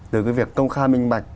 từ cái việc công kha minh mạch